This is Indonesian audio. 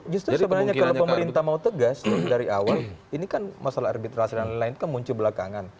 justru sebenarnya kalau pemerintah mau tegas dari awal ini kan masalah arbitrasi dan lain lain kan muncul belakangan